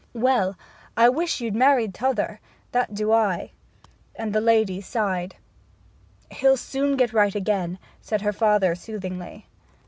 Well, I wish you'd married t'other that do I!' And the lady sighed. 'He'll soon get right again,' said her father soothingly.